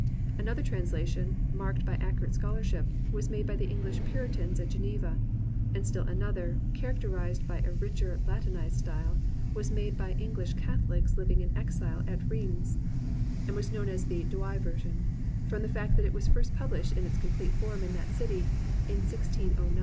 Another translation, marked by ac curate scholarship, was made by English Puritans at Geneva, and still another, characterized by a richer Latinized style, was made by English Cath 18 THE BOOK OF BOOKS oKcs living in exile at Rheims, and was known as "the Douai Version," from the fact that it was first published in its complete form in that city in 1609 1610.